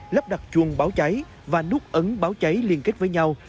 lắp đặt chuông báo trái và nút ấn báo trái liên kết với nhau